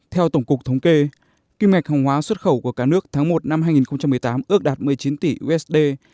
theo tổng cục thống kê kim ngạch hàng hóa xuất khẩu của cả nước tháng một năm hai nghìn một mươi tám ước đạt một mươi chín tỷ usd